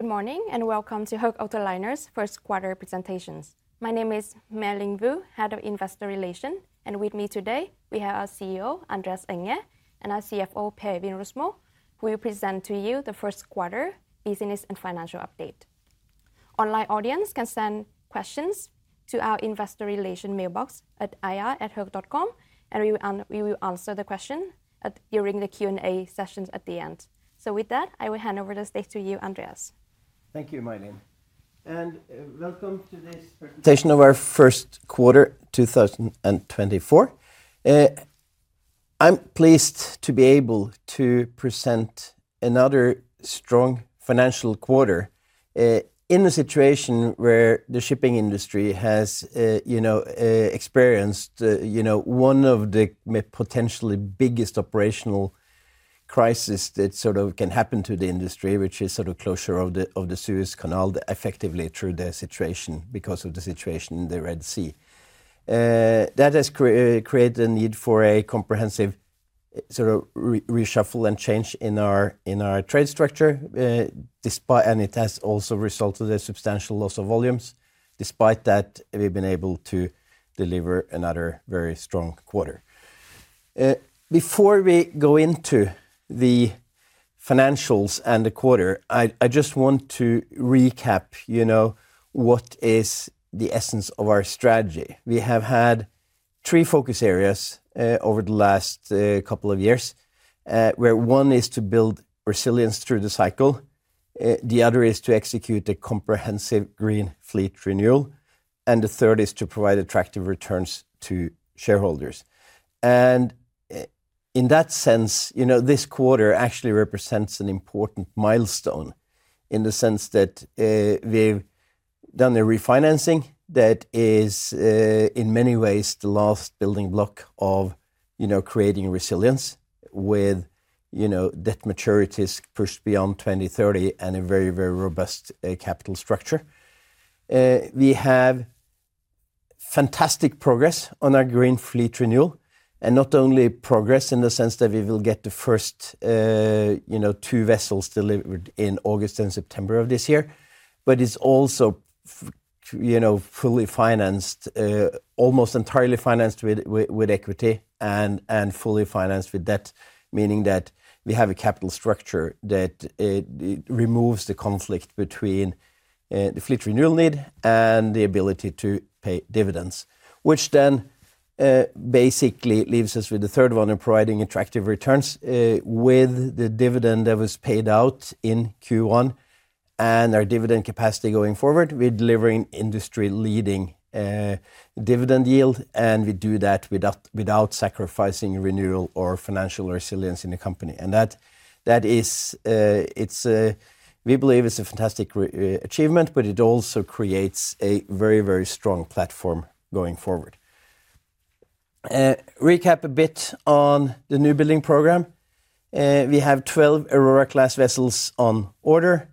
Good morning and welcome to Höegh Autoliners' first quarter presentations. My name is My Linh Vu, Head of Investor Relations, and with me today we have our CEO Andreas Enger and our CFO Per Øivind Rosmo, who will present to you the first quarter business and financial update. Online audience can send questions to our investor relations mailbox at ir@hoegh.com, and we will answer the question during the Q&A sessions at the end. With that, I will hand over the stage to you, Andreas. Thank you, My Linh. Welcome to this presentation of our first quarter 2024. I'm pleased to be able to present another strong financial quarter in a situation where the shipping industry has experienced one of the potentially biggest operational crises that sort of can happen to the industry, which is sort of closure of the Suez Canal effectively through the situation because of the situation in the Red Sea. That has created a need for a comprehensive sort of reshuffle and change in our trade structure, and it has also resulted in substantial loss of volumes. Despite that, we've been able to deliver another very strong quarter. Before we go into the financials and the quarter, I just want to recap what is the essence of our strategy. We have had three focus areas over the last couple of years, where one is to build resilience through the cycle, the other is to execute a comprehensive green fleet renewal, and the third is to provide attractive returns to shareholders. In that sense, this quarter actually represents an important milestone in the sense that we've done a refinancing that is in many ways the last building block of creating resilience with debt maturities pushed beyond 2030 and a very, very robust capital structure. We have fantastic progress on our green fleet renewal, and not only progress in the sense that we will get the first two vessels delivered in August and September of this year, but it's also fully financed, almost entirely financed with equity and fully financed with debt, meaning that we have a capital structure that removes the conflict between the fleet renewal need and the ability to pay dividends, which then basically leaves us with the third one of providing attractive returns with the dividend that was paid out in Q1 and our dividend capacity going forward with delivering industry-leading dividend yield. We do that without sacrificing renewal or financial resilience in the company. We believe it's a fantastic achievement, but it also creates a very, very strong platform going forward. Recap a bit on the new building program. We have 12 Aurora-class vessels on order.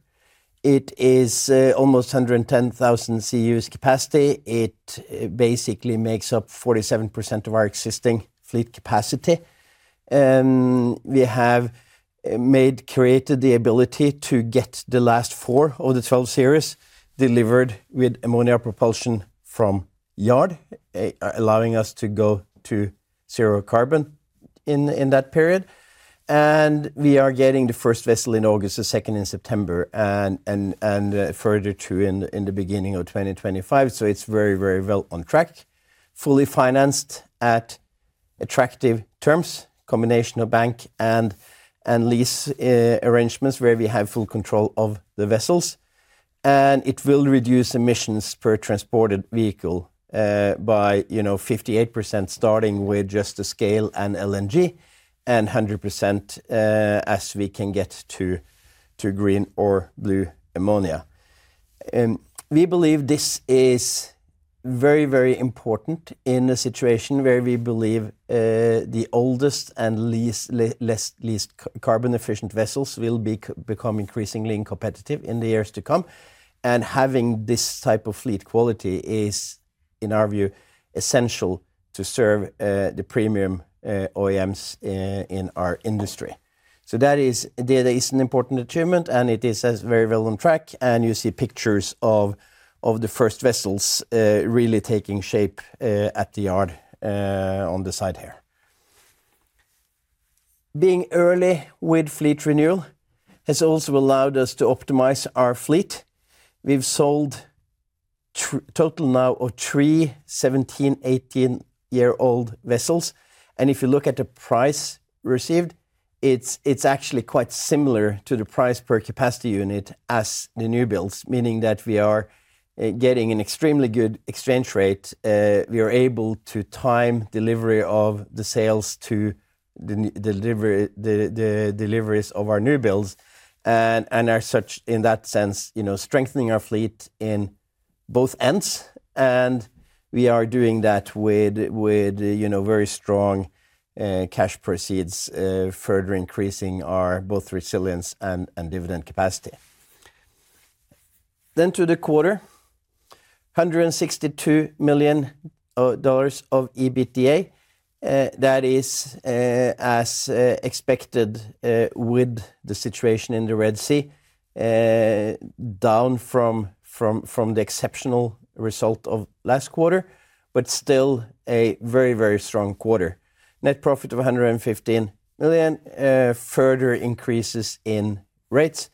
It is almost 110,000 CEUs capacity. It basically makes up 47% of our existing fleet capacity. We have created the ability to get the last four of the 12 series delivered with ammonia propulsion from yard, allowing us to go to zero carbon in that period. We are getting the first vessel in August, the second in September, and further two in the beginning of 2025. It's very, very well on track, fully financed at attractive terms, combination of bank and lease arrangements where we have full control of the vessels. It will reduce emissions per transported vehicle by 58% starting with just the scale and LNG and 100% as we can get to green or blue ammonia. We believe this is very, very important in a situation where we believe the oldest and least carbon-efficient vessels will become increasingly uncompetitive in the years to come. Having this type of fleet quality is, in our view, essential to serve the premium OEMs in our industry. So that is an important achievement, and it is very well on track. You see pictures of the first vessels really taking shape at the yard on the side here. Being early with fleet renewal has also allowed us to optimize our fleet. We've sold total now of three 17- and 18-year-old vessels. If you look at the price received, it's actually quite similar to the price per capacity unit as the new builds, meaning that we are getting an extremely good exchange rate. We are able to time delivery of the sales to the deliveries of our new builds and, as such, in that sense, strengthening our fleet in both ends. We are doing that with very strong cash proceeds, further increasing both resilience and dividend capacity. Then to the quarter, $162 million of EBITDA. That is, as expected with the situation in the Red Sea, down from the exceptional result of last quarter, but still a very, very strong quarter. Net profit of $115 million, further increases in rates,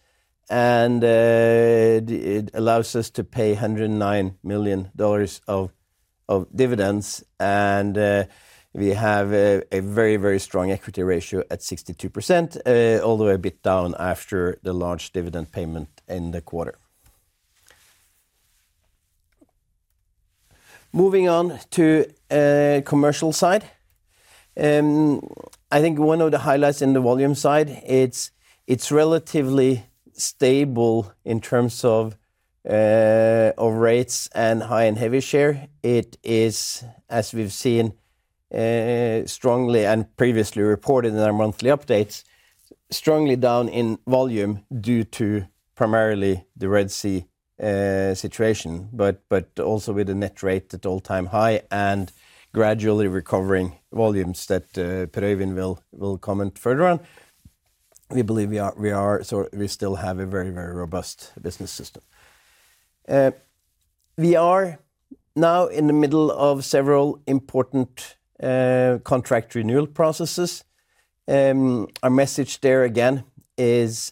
and it allows us to pay $109 million of dividends. And we have a very, very strong equity ratio at 62%, although a bit down after the large dividend payment in the quarter. Moving on to the commercial side, I think one of the highlights in the volume side, it's relatively stable in terms of rates and high and heavy share. It is, as we've seen strongly and previously reported in our monthly updates, strongly down in volume due to primarily the Red Sea situation, but also with a net rate at all-time high and gradually recovering volumes that Per-Øivind will comment further on. We believe we still have a very, very robust business system. We are now in the middle of several important contract renewal processes. Our message there, again, is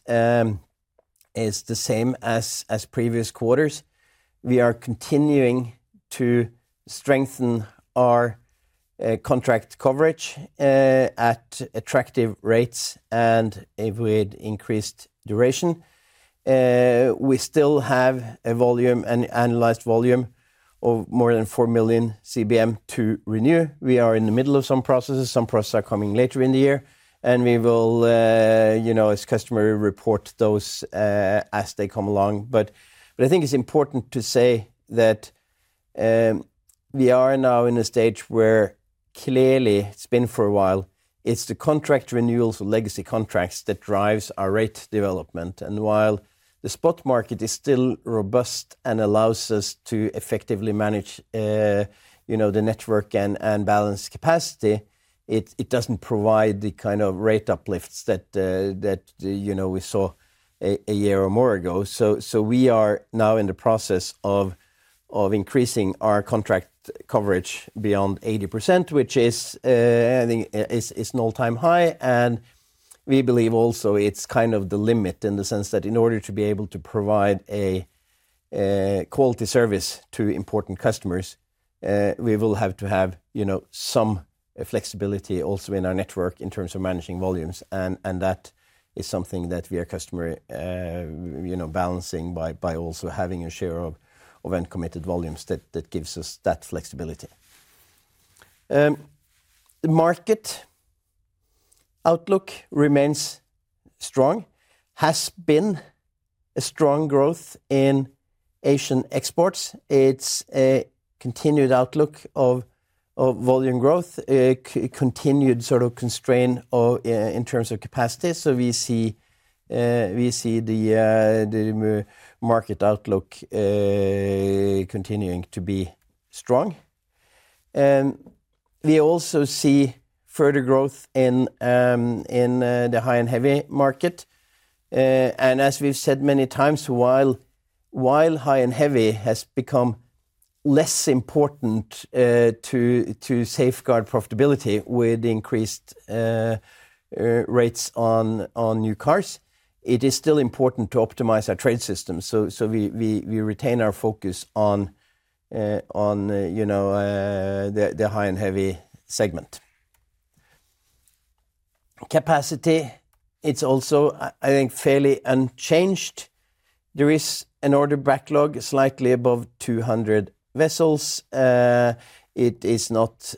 the same as previous quarters. We are continuing to strengthen our contract coverage at attractive rates and with increased duration. We still have an analyzed volume of more than four million CBM to renew. We are in the middle of some processes. Some processes are coming later in the year, and we will, as customers, report those as they come along. But I think it's important to say that we are now in a stage where clearly, it's been for a while, it's the contract renewals or legacy contracts that drive our rate development. While the spot market is still robust and allows us to effectively manage the network and balance capacity, it doesn't provide the kind of rate uplifts that we saw a year or more ago. We are now in the process of increasing our contract coverage beyond 80%, which is an all-time high. We believe also it's kind of the limit in the sense that in order to be able to provide a quality service to important customers, we will have to have some flexibility also in our network in terms of managing volumes. That is something that we are customers balancing by also having a share of uncommitted volumes that gives us that flexibility. The market outlook remains strong, has been a strong growth in Asian exports. It's a continued outlook of volume growth, continued sort of constraint in terms of capacity. We see the market outlook continuing to be strong. We also see further growth in the High and Heavy market. As we've said many times, while High and Heavy has become less important to safeguard profitability with increased rates on new cars, it is still important to optimize our trade system. So we retain our focus on the High and Heavy segment. Capacity, it's also, I think, fairly unchanged. There is an order backlog slightly above 200 vessels. It is not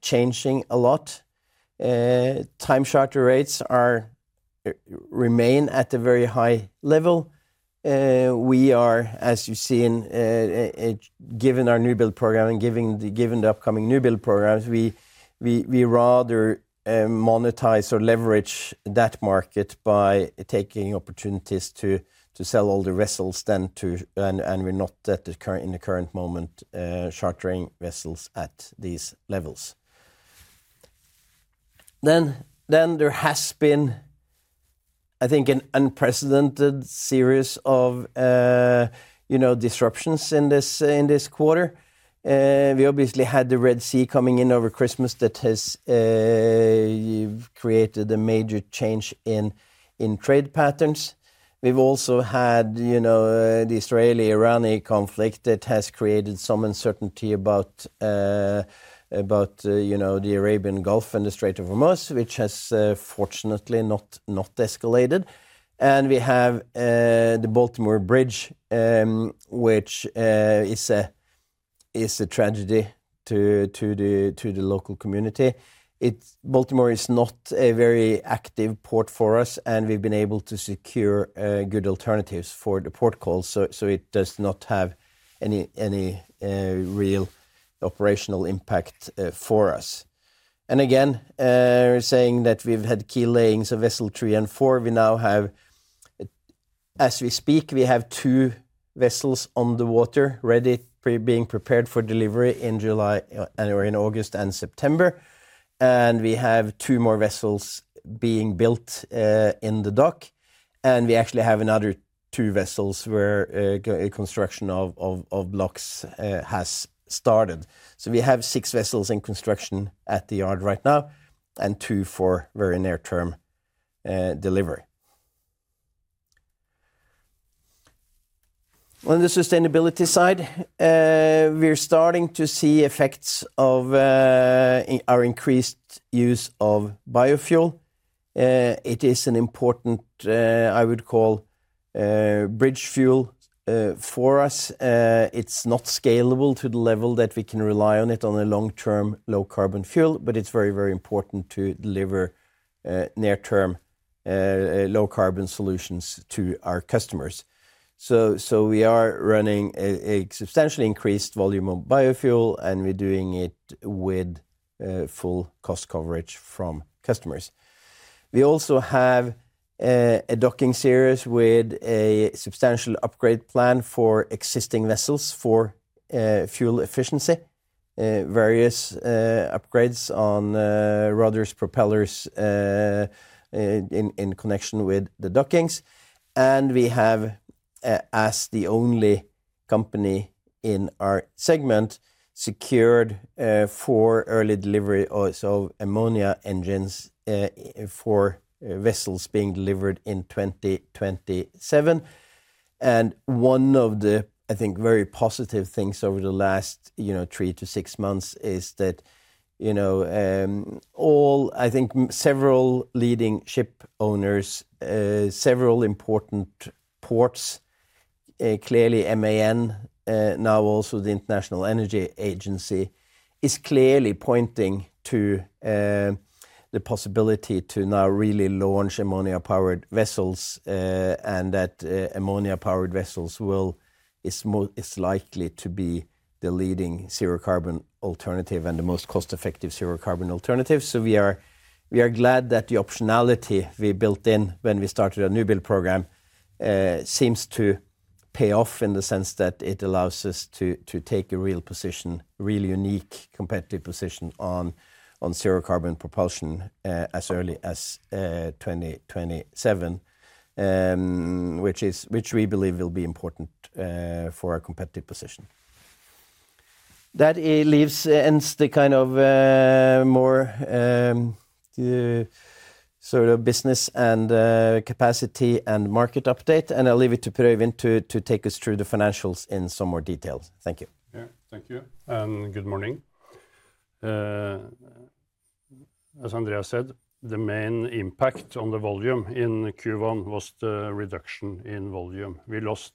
changing a lot. Time charter rates remain at a very high level. We are, as you've seen, given our new build program and given the upcoming new build programs, we rather monetize or leverage that market by taking opportunities to sell all the vessels than to, and we're not, in the current moment, chartering vessels at these levels. There has been, I think, an unprecedented series of disruptions in this quarter. We obviously had the Red Sea coming in over Christmas that has created a major change in trade patterns. We've also had the Israeli-Irani conflict that has created some uncertainty about the Arabian Gulf and the Strait of Hormuz, which has fortunately not escalated. We have the Baltimore Bridge, which is a tragedy to the local community. Baltimore is not a very active port for us, and we've been able to secure good alternatives for the port call. So it does not have any real operational impact for us. Again, we're saying that we've had key layings of vessel three and four. As we speak, we have two vessels on the water ready, being prepared for delivery in July or in August and September. We have two more vessels being built in the dock. We actually have another two vessels where construction of blocks has started. We have six vessels in construction at the yard right now and two for very near-term delivery. On the sustainability side, we're starting to see effects of our increased use of biofuel. It is an important, I would call, bridge fuel for us. It's not scalable to the level that we can rely on it on a long-term low-carbon fuel, but it's very, very important to deliver near-term low-carbon solutions to our customers. We are running a substantially increased volume of biofuel, and we're doing it with full cost coverage from customers. We also have a docking series with a substantial upgrade plan for existing vessels for fuel efficiency, various upgrades on rudders, propellers in connection with the dockings. We have, as the only company in our segment, secured four early deliveries of ammonia engines for vessels being delivered in 2027. One of the, I think, very positive things over the last three to six months is that all, I think, several leading ship owners, several important ports, clearly MAN, now also the International Energy Agency, is clearly pointing to the possibility to now really launch ammonia-powered vessels and that ammonia-powered vessels is likely to be the leading zero-carbon alternative and the most cost-effective zero-carbon alternative. We are glad that the optionality we built in when we started our new build program seems to pay off in the sense that it allows us to take a real position, really unique, competitive position on zero-carbon propulsion as early as 2027, which we believe will be important for our competitive position. That ends the kind of more sort of business and capacity and market update. I'll leave it to Per-Øivind to take us through the financials in some more detail. Thank you. Yeah. Thank you. And good morning. As Andreas said, the main impact on the volume in Q1 was the reduction in volume. We lost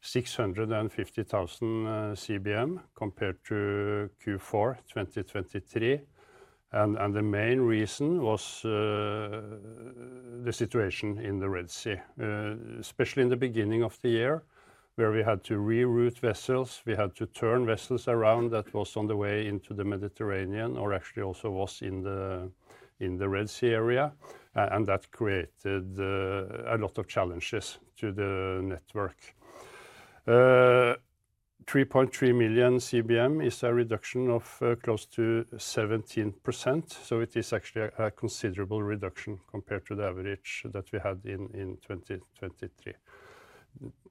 650,000 CBM compared to Q4 2023. And the main reason was the situation in the Red Sea, especially in the beginning of the year where we had to reroute vessels. We had to turn vessels around that was on the way into the Mediterranean or actually also was in the Red Sea area. And that created a lot of challenges to the network. 3.3 million CBM is a reduction of close to 17%. So it is actually a considerable reduction compared to the average that we had in 2023.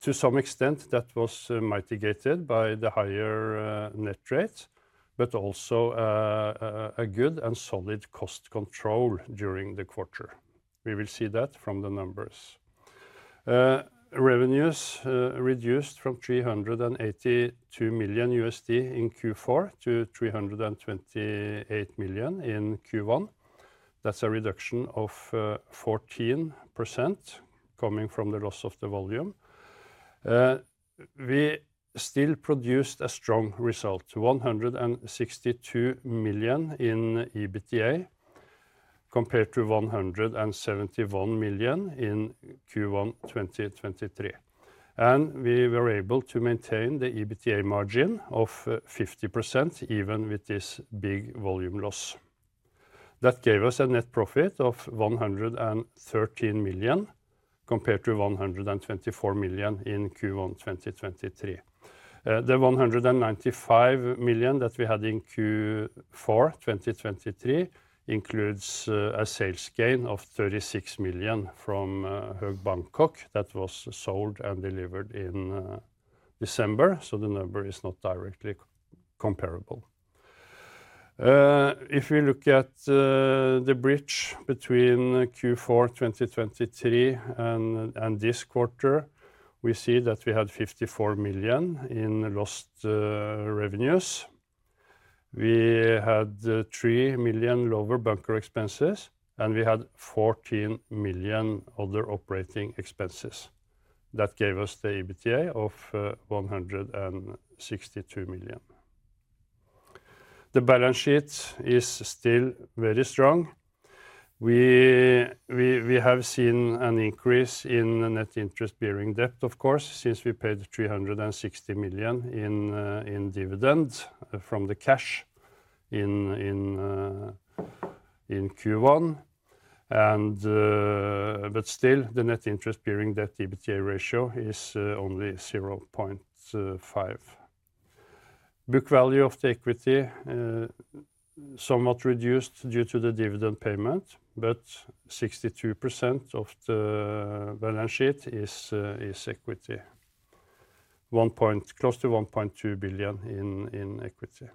To some extent, that was mitigated by the higher net rate, but also a good and solid cost control during the quarter. We will see that from the numbers. Revenues reduced from $382 million in Q4 to $328 million in Q1. That's a reduction of 14% coming from the loss of the volume. We still produced a strong result, $162 million in EBITDA compared to $171 million in Q1 2023. We were able to maintain the EBITDA margin of 50% even with this big volume loss. That gave us a net profit of $113 million compared to $124 million in Q1 2023. The $195 million that we had in Q4 2023 includes a sales gain of $36 million from Höegh Bangkok that was sold and delivered in December. The number is not directly comparable. If we look at the bridge between Q4 2023 and this quarter, we see that we had $54 million in lost revenues. We had $3 million lower bunker expenses, and we had $14 million other operating expenses. That gave us the EBITDA of $162 million. The balance sheet is still very strong. We have seen an increase in net interest bearing debt, of course, since we paid $360 million in dividend from the cash in Q1. But still, the net interest bearing debt/EBITDA ratio is only 0.5. Book value of the equity somewhat reduced due to the dividend payment, but 62% of the balance sheet is equity, close to $1.2 billion in equity.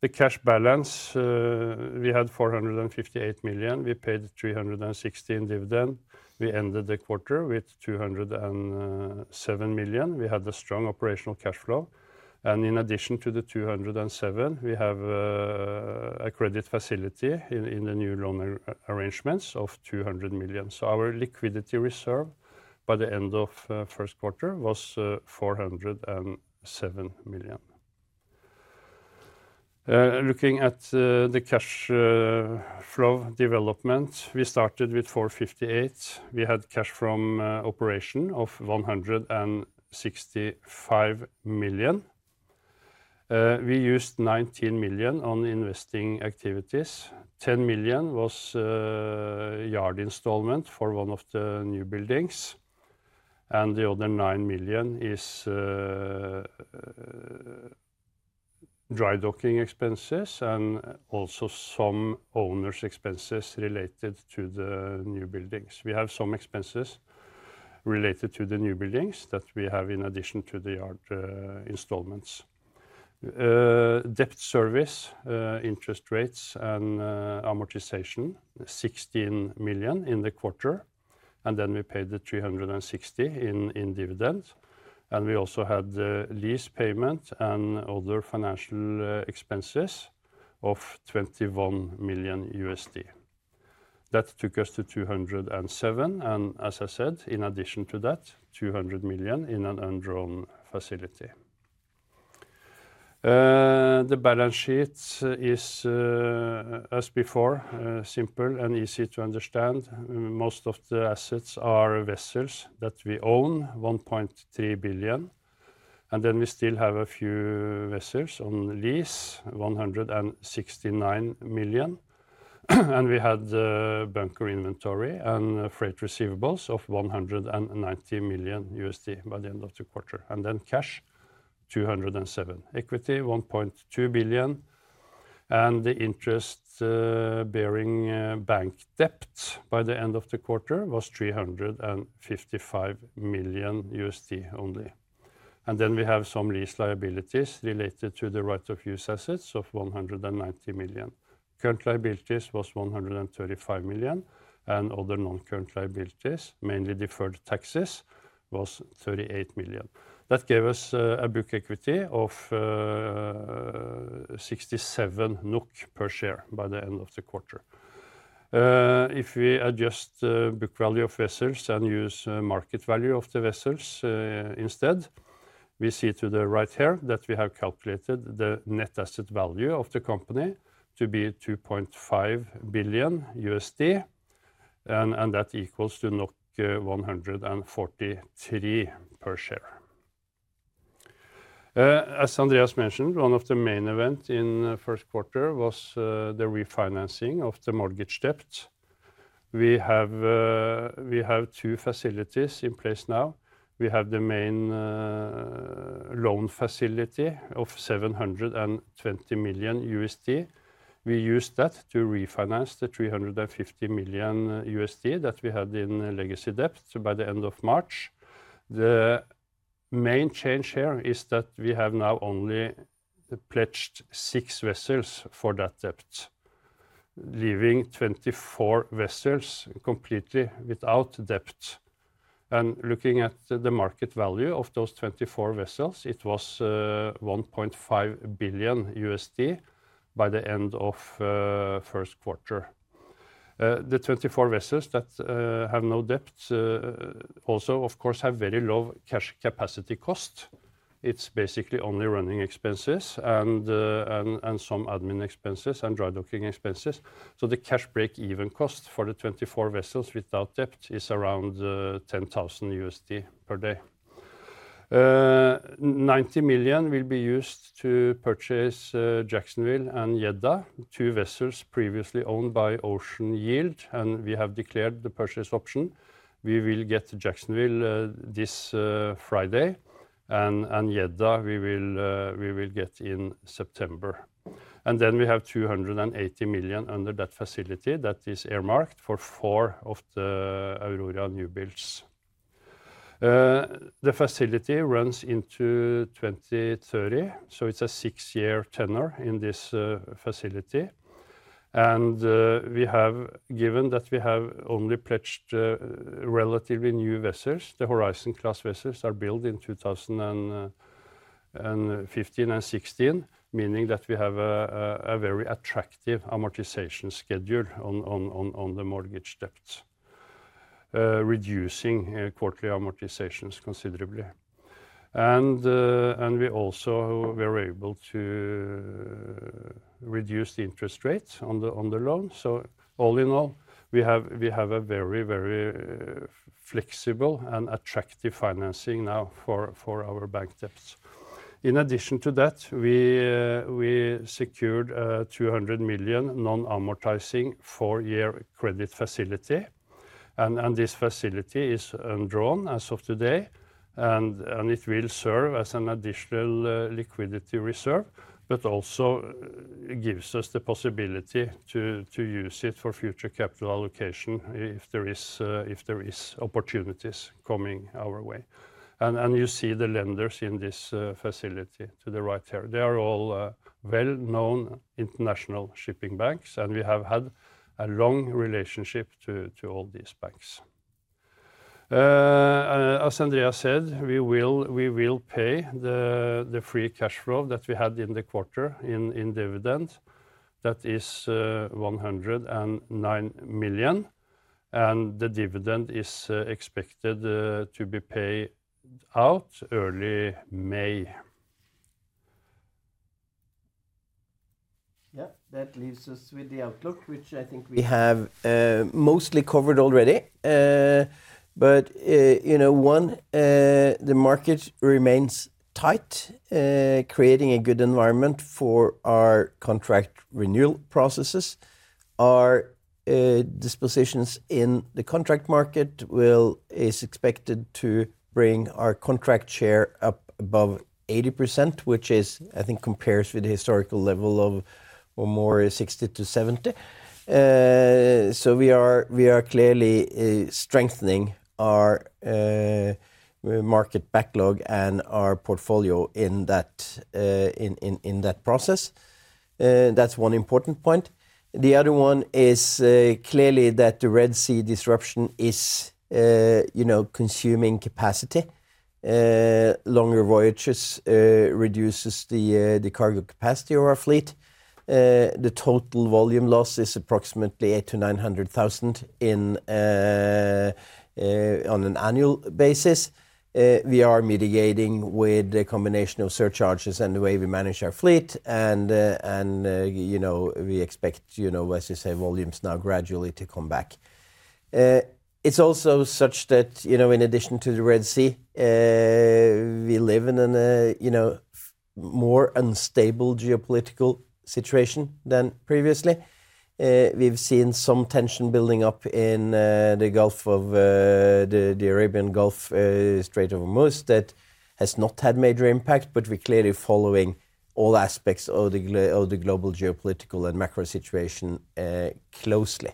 The cash balance, we had $458 million. We paid $360 million in dividend. We ended the quarter with $207 million. We had a strong operational cash flow. In addition to the $207, we have a credit facility in the new loan arrangements of $200 million. Our liquidity reserve by the end of first quarter was $407 million. Looking at the cash flow development, we started with $458. We had cash from operation of $165 million. We used $19 million on investing activities. $10 million was yard installment for one of the new buildings. The other $9 million is dry docking expenses and also some owner's expenses related to the new buildings. We have some expenses related to the new buildings that we have in addition to the yard installments. Debt service, interest rates, and amortization, $16 million in the quarter. Then we paid the $360 in dividend. We also had lease payment and other financial expenses of $21 million. That took us to $207. As I said, in addition to that, $200 million in an undrawn facility. The balance sheet is, as before, simple and easy to understand. Most of the assets are vessels that we own, $1.3 billion. Then we still have a few vessels on lease, $169 million. We had bunker inventory and freight receivables of $190 million by the end of the quarter. Then cash, $207 million. Equity, $1.2 billion. The interest-bearing bank debt by the end of the quarter was $355 million only. Then we have some lease liabilities related to the right of use assets of $190 million. Current liabilities was $135 million. Other non-current liabilities, mainly deferred taxes, was $38 million. That gave us a book equity of 67 NOK per share by the end of the quarter. If we adjust book value of vessels and use market value of the vessels instead, we see to the right here that we have calculated the net asset value of the company to be $2.5 billion. That equals to 143 per share. As Andreas mentioned, one of the main events in first quarter was the refinancing of the mortgage debt. We have two facilities in place now. We have the main loan facility of $720 million. We used that to refinance the $350 million that we had in legacy debt by the end of March. The main change here is that we have now only pledged six vessels for that debt, leaving 24 vessels completely without debt. Looking at the market value of those 24 vessels, it was $1.5 billion by the end of first quarter. The 24 vessels that have no debt also, of course, have very low cash capacity cost. It's basically only running expenses and some admin expenses and dry docking expenses. So the cash break-even cost for the 24 vessels without debt is around $10,000 per day. $90 million will be used to purchase Jacksonville and Jeddah, two vessels previously owned by Ocean Yield. And we have declared the purchase option. We will get Jacksonville this Friday, and Jeddah we will get in September. And then we have $280 million under that facility that is earmarked for four of the Aurora new builds. The facility runs into 2030. So it's a six-year tenure in this facility. And we have given that we have only pledged relatively new vessels. The Horizon Class vessels are built in 2015 and 2016, meaning that we have a very attractive amortization schedule on the mortgage debt, reducing quarterly amortizations considerably. We also were able to reduce the interest rate on the loan. So all in all, we have a very, very flexible and attractive financing now for our bank debts. In addition to that, we secured $200 million non-amortizing four-year credit facility. This facility is undrawn as of today. It will serve as an additional liquidity reserve, but also gives us the possibility to use it for future capital allocation if there are opportunities coming our way. You see the lenders in this facility to the right here. They are all well-known international shipping banks. We have had a long relationship to all these banks. As Andreas said, we will pay the free cash flow that we had in the quarter in dividend. That is $109 million. And the dividend is expected to be paid out early May. Yeah. That leaves us with the outlook, which I think we have mostly covered already. But one, the market remains tight, creating a good environment for our contract renewal processes. Our dispositions in the contract market is expected to bring our contract share up above 80%, which I think compares with the historical level of more 60%-70%. So we are clearly strengthening our market backlog and our portfolio in that process. That's one important point. The other one is clearly that the Red Sea disruption is consuming capacity. Longer voyages reduce the cargo capacity of our fleet. The total volume loss is approximately 800,000-900,000 on an annual basis. We are mitigating with a combination of surcharges and the way we manage our fleet. We expect, as you say, volumes now gradually to come back. It's also such that in addition to the Red Sea, we live in a more unstable geopolitical situation than previously. We've seen some tension building up in the Arabian Gulf, Strait of Hormuz, that has not had major impact, but we're clearly following all aspects of the global geopolitical and macro situation closely.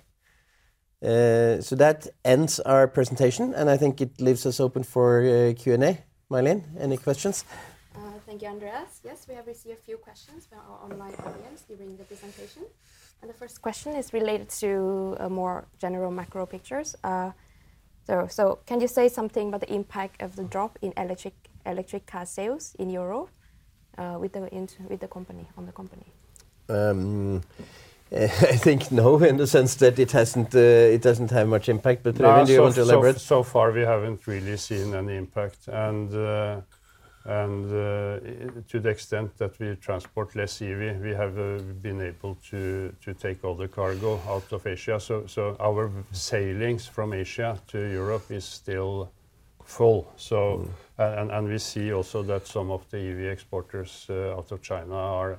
So that ends our presentation. I think it leaves us open for Q&A, My Linh. Any questions? Thank you, Andreas. Yes, we have received a few questions from our online audience during the presentation. The first question is related to more general macro pictures. Can you say something about the impact of the drop in electric car sales in Europe with the company, on the company? I think no in the sense that it doesn't have much impact. But Per-Øivind, do you want to elaborate? So far, we haven't really seen any impact. And to the extent that we transport less EV, we have been able to take all the cargo out of Asia. So our sailings from Asia to Europe is still full. And we see also that some of the EV exporters out of China are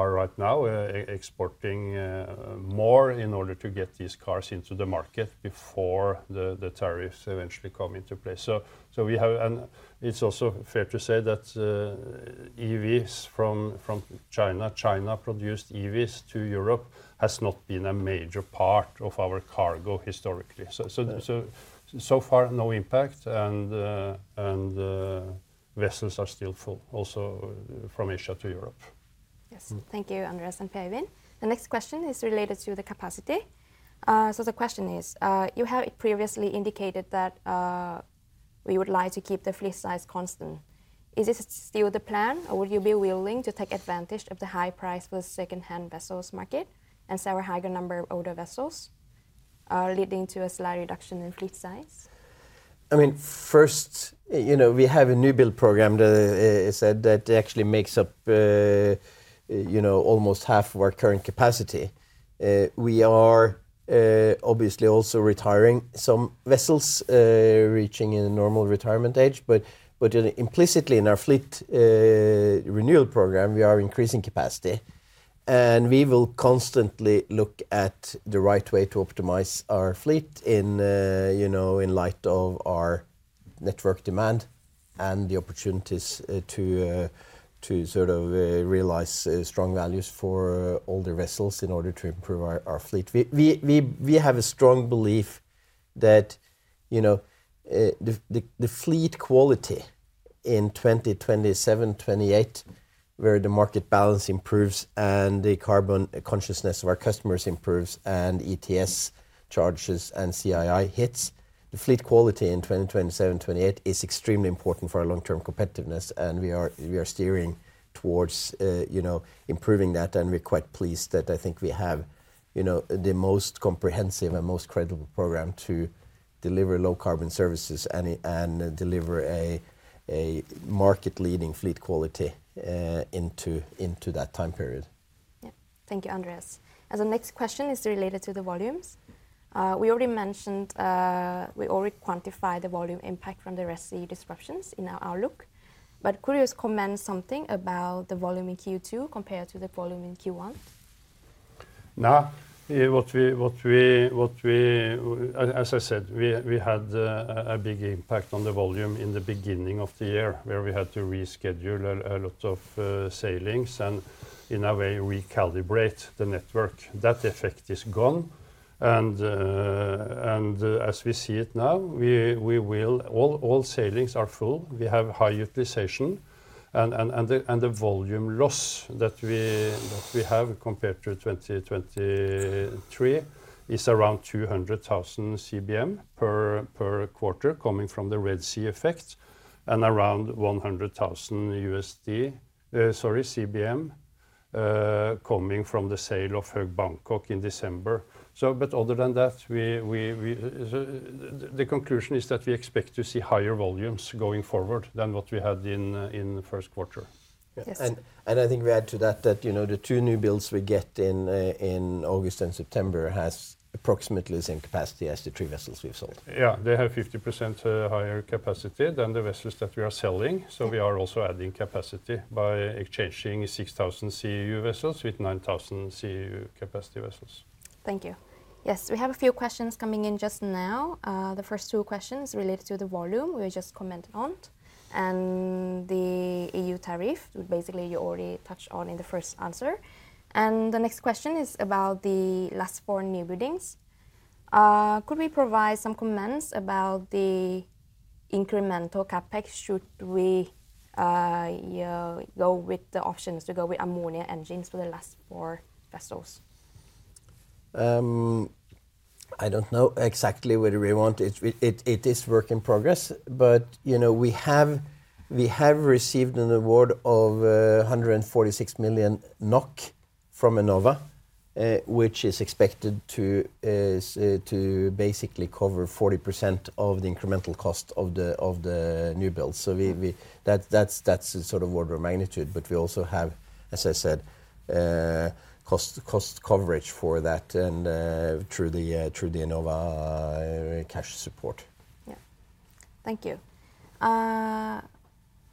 right now exporting more in order to get these cars into the market before the tariffs eventually come into place. So it's also fair to say that EVs from China, China-produced EVs to Europe, has not been a major part of our cargo historically. So far, no impact. And vessels are still full also from Asia to Europe. Yes. Thank you, Andreas and Per-Øivind. The next question is related to the capacity. So the question is, you have previously indicated that we would like to keep the fleet size constant. Is this still the plan, or would you be willing to take advantage of the high price for secondhand vessels market and see a higher number of older vessels leading to a slight reduction in fleet size? I mean, first, we have a new build program, as I said, that actually makes up almost half of our current capacity. We are obviously also retiring some vessels reaching a normal retirement age. But implicitly, in our fleet renewal program, we are increasing capacity. And we will constantly look at the right way to optimize our fleet in light of our network demand and the opportunities to sort of realize strong values for older vessels in order to improve our fleet. We have a strong belief that the fleet quality in 2027, 2028, where the market balance improves and the carbon consciousness of our customers improves and ETS charges and CII hits, the fleet quality in 2027, 2028 is extremely important for our long-term competitiveness. We are steering towards improving that. We're quite pleased that I think we have the most comprehensive and most credible program to deliver low-carbon services and deliver a market-leading fleet quality into that time period. Yeah. Thank you, Andreas. The next question is related to the volumes. We already mentioned we already quantify the volume impact from the Red Sea disruptions in our outlook. But curious comments something about the volume in Q2 compared to the volume in Q1? No. As I said, we had a big impact on the volume in the beginning of the year where we had to reschedule a lot of sailings and, in a way, recalibrate the network. That effect is gone. As we see it now, all sailings are full. We have high utilization. The volume loss that we have compared to 2023 is around 200,000 CBM per quarter coming from the Red Sea effect and around 100,000 CBM coming from the sale of Höegh Bangkok in December. But other than that, the conclusion is that we expect to see higher volumes going forward than what we had in first quarter. Yes. I think we add to that that the two new builds we get in August and September have approximately the same capacity as the three vessels we've sold. Yeah. They have 50% higher capacity than the vessels that we are selling. So we are also adding capacity by exchanging 6,000 CEU vessels with 9,000 CEU capacity vessels. Thank you. Yes. We have a few questions coming in just now. The first two questions relate to the volume we just commented on and the EU tariff, which basically you already touched on in the first answer. And the next question is about the last four new buildings. Could we provide some comments about the incremental CapEx? Should we go with the options to go with ammonia engines for the last four vessels? I don't know exactly whether we want it. It is work in progress. But we have received an award of 146 million NOK from Enova, which is expected to basically cover 40% of the incremental cost of the new builds. So that's the sort of order of magnitude. But we also have, as I said, cost coverage for that through the Enova cash support. Yeah. Thank you.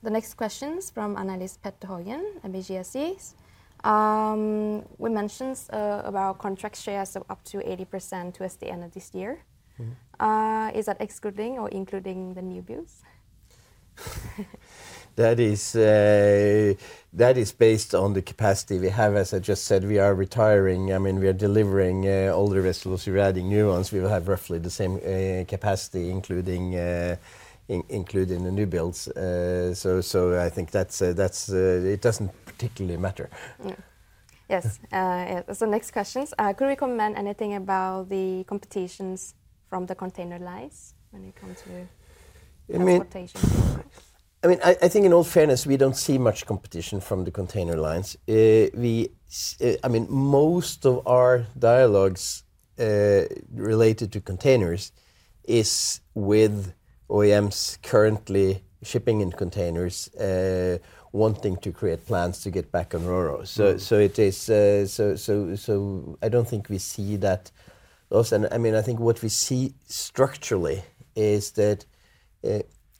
The next questions from analyst, Petter Haugen, ABGSC. We mentioned about contract shares of up to 80% towards the end of this year. Is that excluding or including the new builds? That is based on the capacity we have. As I just said, we are retiring. I mean, we are delivering older vessels. We're adding new ones. We will have roughly the same capacity including the new builds. So I think it doesn't particularly matter. Yeah. Yes. So next questions. Could we comment anything about the competitions from the container lines when it comes to transportation? I mean, I think in all fairness, we don't see much competition from the container lines. I mean, most of our dialogues related to containers is with OEMs currently shipping in containers wanting to create plans to get back on RoRo. So I don't think we see that also. And I mean, I think what we see structurally is that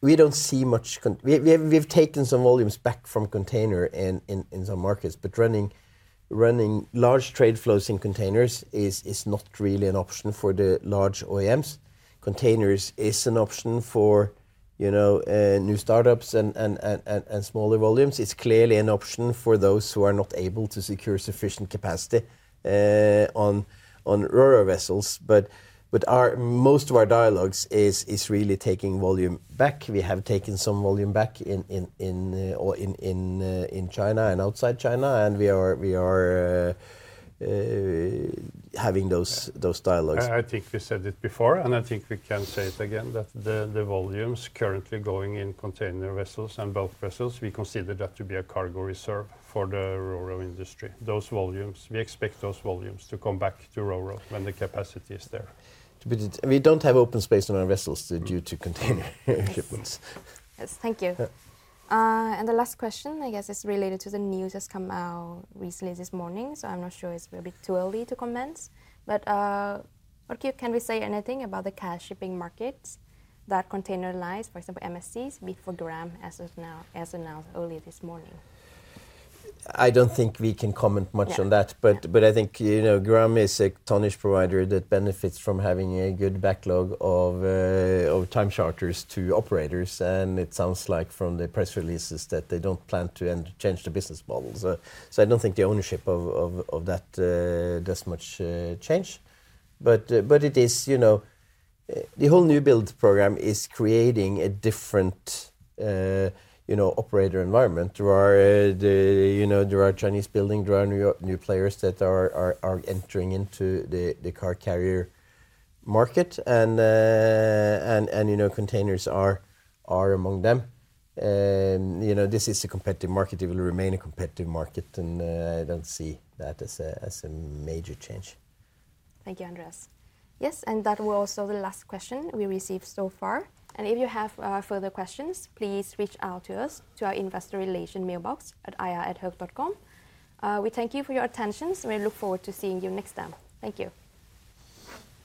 we don't see much we've taken some volumes back from containers in some markets. But running large trade flows in containers is not really an option for the large OEMs. Containers is an option for new startups and smaller volumes. It's clearly an option for those who are not able to secure sufficient capacity on RoRo vessels. But most of our dialogues is really taking volume back. We have taken some volume back in China and outside China. And we are having those dialogues. I think we said it before. I think we can say it again, that the volumes currently going in container vessels and bulk vessels, we consider that to be a cargo reserve for the RoRo industry, those volumes. We expect those volumes to come back to RoRo when the capacity is there. We don't have open space on our vessels due to container shipments. Yes. Thank you. The last question, I guess, is related to the news that's come out recently this morning. I'm not sure it's a bit too early to comment. Øivind, can we say anything about the cash shipping markets that container lines, for example, MSCs bid for Gram as announced earlier this morning? I don't think we can comment much on that. I think Gram is a tonnage provider that benefits from having a good backlog of time charters to operators. It sounds like from the press releases that they don't plan to change the business model. So I don't think the ownership of that does much change. But it is the whole new build program is creating a different operator environment. There are Chinese building. There are new players that are entering into the car carrier market. And containers are among them. This is a competitive market. It will remain a competitive market. And I don't see that as a major change. Thank you, Andreas. Yes. And that will also be the last question we received so far. And if you have further questions, please reach out to us to our investor relation mailbox at ir@hoegh.com. We thank you for your attention. And we look forward to seeing you next time. Thank you.